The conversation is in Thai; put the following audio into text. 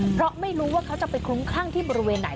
เพราะไม่รู้ว่าเค้าจะทุกค่างไปที่บริเวณไหน